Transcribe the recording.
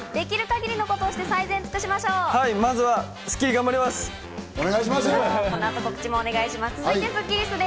まずは『スッキリ』頑張ります！